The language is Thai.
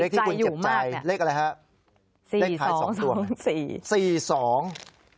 ติดใจอยู่มากนี่เลขอะไรครับเลขที่คุณเจ็บใจเลขอะไรครับ